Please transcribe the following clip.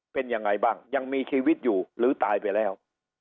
เป็นยังไงบ้างยังมีชีวิตอยู่หรือตายไปแล้ว